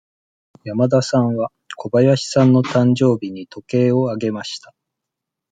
山田さんは小林さんの誕生日に時計をあげました。